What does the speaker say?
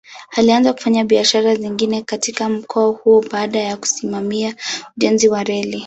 Alianza kufanya biashara zingine katika mkoa huo baada ya kusimamia ujenzi wa reli.